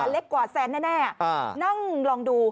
เล็กกว่าแสนแน่นั่งลองดู